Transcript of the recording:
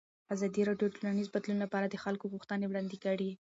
ازادي راډیو د ټولنیز بدلون لپاره د خلکو غوښتنې وړاندې کړي.